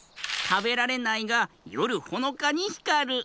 たべられないがよるほのかにひかる。